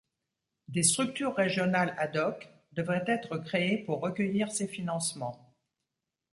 Des structures régionales ad-hoc devraient être créées pour recueillir ces financements.